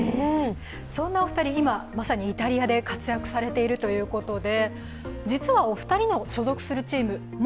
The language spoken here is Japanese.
そんなお二人、まさにイタリアで活躍されているということで。